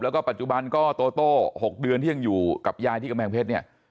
แล้วก็ปัจจุบันก็โตโต้๖เดือนที่ยังอยู่กับยายที่กำแพงเพชรเนี่ย